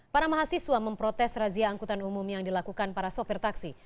para mahasiswa memprotes razia angkutan umum yang dilakukan para sopir taksi